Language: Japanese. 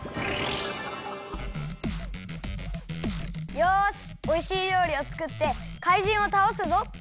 よしおいしいりょうりをつくってかいじんをたおすぞ！